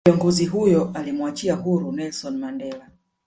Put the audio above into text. kiongozi huyo alimuachia huru Nelson Mandela